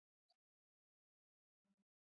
د ماليې سمه راټولونه د ښه راتلونکي لپاره مهمه ده.